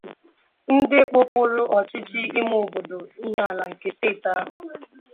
dị n'okpuru ọchịchị ime obodo Ihiala nke steeti ahụ.